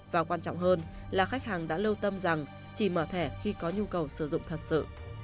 và quan trọng hơn là khách hàng đã lâu tâm rằng chỉ mở thẻ khi có nhu cầu sử dụng thật sự